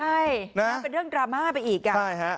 ใช่เป็นเรื่องดราม่าไปอีกอ่ะ